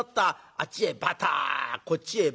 あっちへバターンこっちへバタッ。